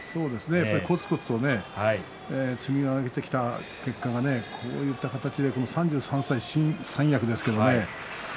こつこつと積み上げてきた結果がこういった形で３３歳、新三役ですけどね